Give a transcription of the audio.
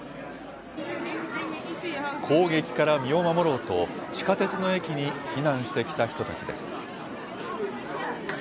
攻撃から身を守ろうと、地下鉄の駅に避難してきた人たちです。